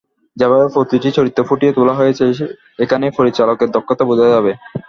যেভাবে প্রতিটি চরিত্র ফুটিয়ে তোলা হয়েছে, এখানেই পরিচালকের দক্ষতা বোঝা যাবে।